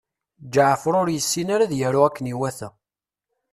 Ǧeɛfer ur yessin ara ad yaru akken iwata.